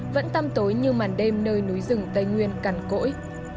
vẫn tăm tối như màn đêm nơi núi rừng tây nguyên cằn cỗi